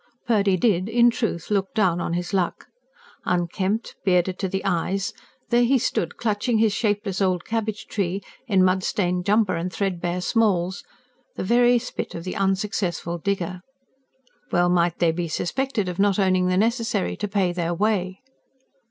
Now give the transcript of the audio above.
Purdy did in truth look down on his luck. Unkempt, bearded to the eyes, there he stood clutching his shapeless old cabbage tree, in mud stained jumper and threadbare smalls the very spit of the unsuccessful digger. Well might they be suspected of not owning the necessary to pay their way!